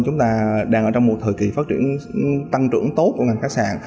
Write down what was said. chúng ta đang ở trong một thời kỳ phát triển tăng trưởng tốt của ngành khách sạn